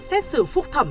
xét xử phúc thẩm